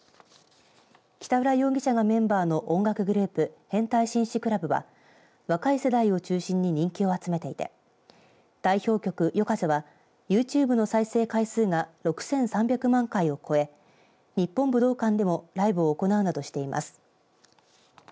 北浦容疑者がメンバーの音楽グループ、変態紳士クラブは若い世代を中心に人気を集めていて代表曲ＹＯＫＡＺＥはユーチューブの再生回数が６３００万回を超え日本武道館でもライブを行うなどしています。